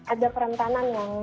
ada perentanan yang lebih